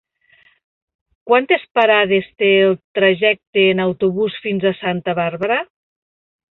Quantes parades té el trajecte en autobús fins a Santa Bàrbara?